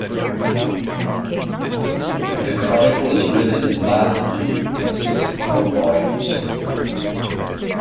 The chronicle is written in Latin and consists of four volumes.